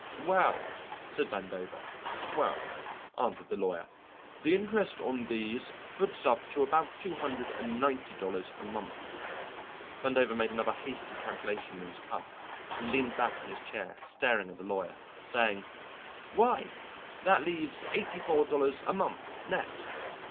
"Well," said Vandover. "Well," answered the lawyer, "the interest on these foots up to about two hundred and ninety dollars a month." Vandover made another hasty calculation on his cuff, and leaned back in his chair staring at the lawyer, saying: "Why, that leaves eighty four dollars a month, net."